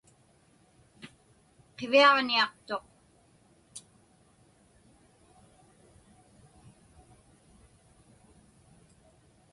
Qiviaġniaqtuq.